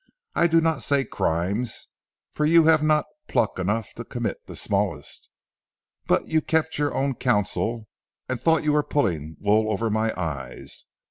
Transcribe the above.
I do not say crimes, for you have not pluck enough to commit the smallest. But you kept your own counsel, and thought you were pulling wool over my eyes.